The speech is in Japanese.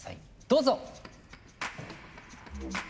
どうぞ！